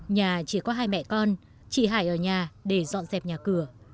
nhà chỉ có hai mẹ con chị hải ở nhà để dọn dẹp nhà cửa